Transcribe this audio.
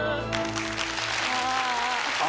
ああ。